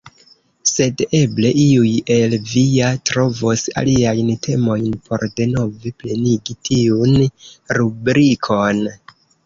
Sed eble iuj el vi ja trovos aliajn temojn, por denove plenigi tiun rubrikon.